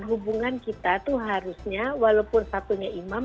hubungan kita itu harusnya walaupun satunya imam